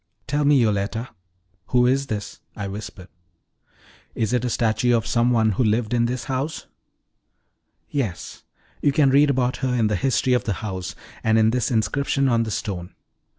"Tell me, Yoletta, who is this?" I whispered. "Is it a statue of some one who lived in this house?" "Yes; you can read about her in the history of the house, and in this inscription on the stone.